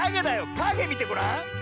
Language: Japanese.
かげみてごらん！